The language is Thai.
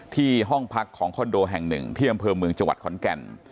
ห้องพักของคอนโดแห่งหนึ่งที่อำเภอเมืองจังหวัดขอนแก่น